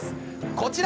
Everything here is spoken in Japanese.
こちら！